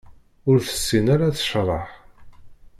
Ur tessin ara ad tecḍeḥ.